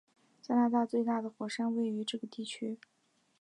加拿大最大的火山位于这个地区。